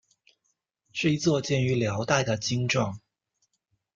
是一座建于辽代的经幢。